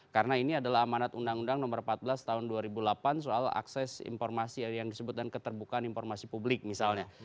karena ini adalah amanat undang undang nomor empat belas tahun dua ribu delapan soal akses informasi yang disebutkan keterbukaan informasi publik misalnya